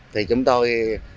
thì chúng tôi